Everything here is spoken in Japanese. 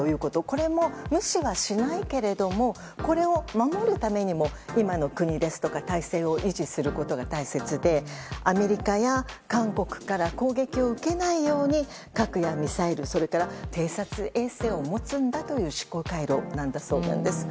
これも無視はしないけれどもこれを守るためにも今の国ですとか体制を維持することが大切でアメリカや韓国から攻撃を受けないように核やミサイルそれから偵察衛星を持つんだという思考回路なんだそうです。